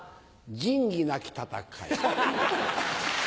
仁義なき戦い。